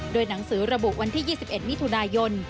โดยหนังสือระบุวันที่๒๑มิถุนายน